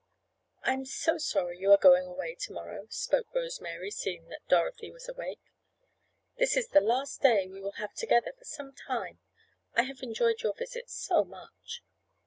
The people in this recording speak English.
"I'm so sorry you are going away to morrow," spoke Rose Mary, seeing that Dorothy was awake. "This is the last day we will have together for some time. I have enjoyed your visit so much."